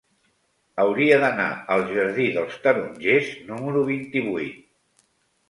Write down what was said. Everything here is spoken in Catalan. Hauria d'anar al jardí dels Tarongers número vint-i-vuit.